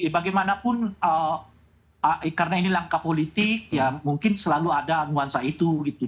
bagaimanapun karena ini langkah politik ya mungkin selalu ada nuansa itu gitu